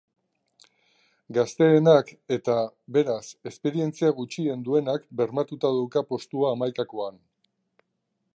Gazteenak, eta, beraz, esperientzia gutxien duenak bermatuta dauka postua hamaikakoan.